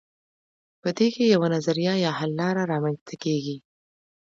په دې کې یوه نظریه یا حل لاره رامیینځته کیږي.